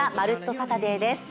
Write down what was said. サタデー」です。